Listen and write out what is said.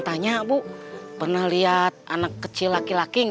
tidak ada lagi